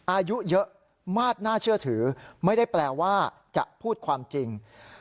อายุเยอะมากเชื่อถือไม่ได้แปลว่าจะพูดความจริง